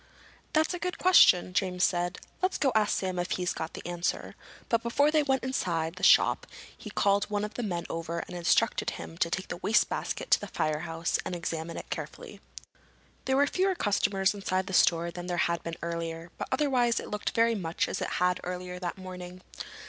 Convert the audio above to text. "That's a good question," James said. "Let's go ask Sam if he's got the answer." But before they went inside the shop he called one of his men over and instructed him to take the wastebasket to the firehouse and examine it carefully. There were fewer customers inside the store than there had been earlier, but otherwise it looked very much as it had earlier that morning.